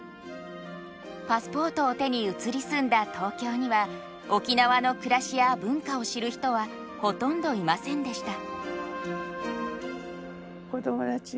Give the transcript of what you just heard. パスポートを手に移り住んだ東京には沖縄の暮らしや文化を知る人はほとんどいませんでした。